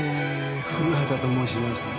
古畑と申します。